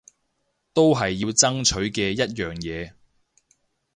都係要爭取嘅一樣嘢